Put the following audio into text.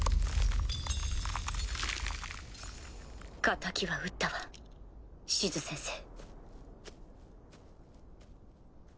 敵は討ったわシズ先生。